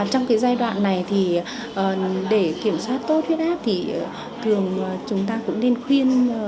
trong cái giai đoạn này thì để kiểm soát tốt huyết áp thì thường chúng ta cũng nên khuyên